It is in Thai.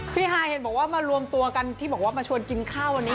ฮายเห็นบอกว่ามารวมตัวกันที่บอกว่ามาชวนกินข้าววันนี้